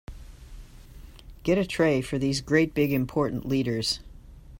Get a tray for these great big important leaders.